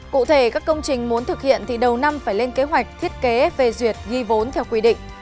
cụ thể các công trình muốn thực hiện thì đầu năm phải lên kế hoạch thiết kế phê duyệt ghi vốn theo quy định